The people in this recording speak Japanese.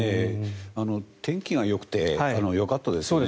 天気がよくてよかったですね。